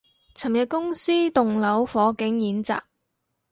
尋日公司棟樓火警演習